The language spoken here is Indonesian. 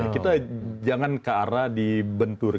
kita jangan ke arah dibenturkan